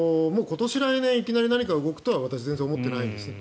今年、来年いきなり何かが動くとは私、全然思ってないんですね。